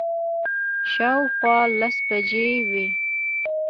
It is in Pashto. شاوخوا لس بجې وې.